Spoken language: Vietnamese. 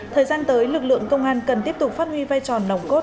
thời gian tới lực lượng công an cần tiếp tục phát huy vai trò nồng cốt